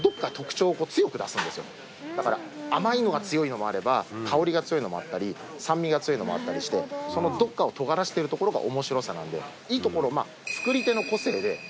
だから甘いのが強いのもあれば香りが強いのもあったり酸味が強いのもあったりしてどっかをとがらしてるところが面白さなんで。